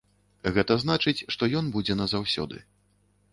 Гэта значыць, што ён будзе назаўсёды.